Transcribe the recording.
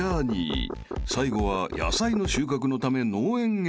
［最後は野菜の収穫のため農園へ］